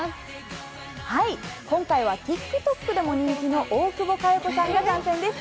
今回はＴｉｋＴｏｋでも人気の大久保佳代子さんが参戦です。